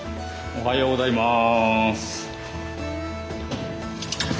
おはようございます。